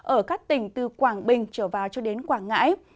ở các tỉnh từ quảng bình trở vào cho đến quảng ngãi